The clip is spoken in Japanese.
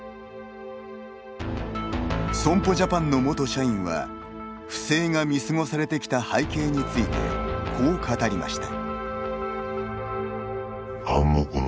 損保ジャパンの元社員は不正が見過ごされてきた背景について、こう語りました。